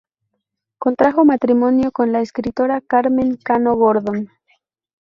Contrajo matrimonio con la escritora Carmen Cano Gordón.